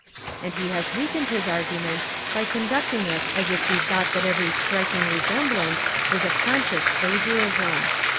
and he has weakened his argument by conducting it as if he thought that every striking resemblance was a conscious plagiarism.